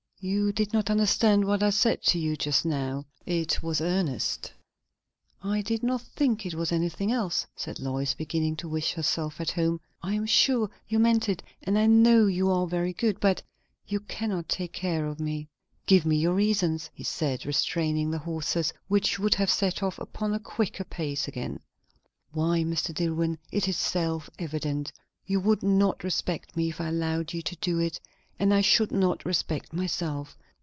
"You did not understand what I said to you just now. It was earnest." "I did not think it was anything else," said Lois, beginning to wish herself at home. "I am sure you meant it, and I know you are very good; but you cannot take care of me." "Give me your reasons," he said, restraining the horses, which would have set off upon a quicker pace again. "Why, Mr. Dillwyn, it is self evident. You would not respect me if I allowed you to do it; and I should not respect myself.